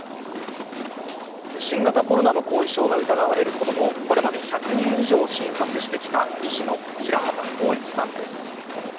新型コロナの後遺症が疑われる子どもをこれまで１００人以上診察してきた医師の平畑光一さんです。